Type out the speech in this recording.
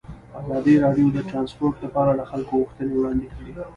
ازادي راډیو د ترانسپورټ لپاره د خلکو غوښتنې وړاندې کړي.